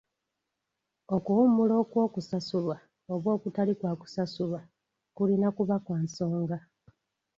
Okuwummula okwokusasulwa oba okutali kwa kusasulwa kulina okuba kwa nsonga.